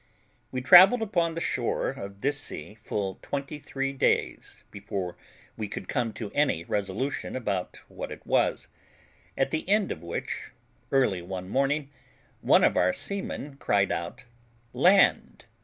We travelled upon the shore of this sea full twenty three days before we could come to any resolution about what it was; at the end of which, early one morning, one of our seamen cried out, "Land!"